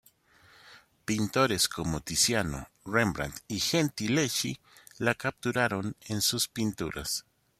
Pintores como Tiziano, Rembrandt y Gentileschi la capturaron en sus pinturas.